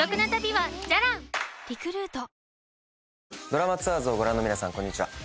『ドラマツアーズ』をご覧の皆さんこんにちは。